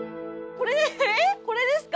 これですか？